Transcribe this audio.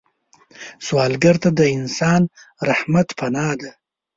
سوالګر ته د انسان رحمت پناه ده